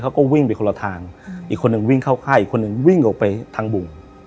เขาก็วิ่งไปคนละทางอีกคนหนึ่งวิ่งเข้าค่ายอีกคนหนึ่งวิ่งออกไปทางบุง